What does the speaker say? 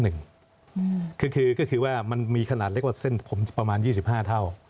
ซึ่งมันมีขนาดเล็กว่าเส้นประมาณ๒๕เท่า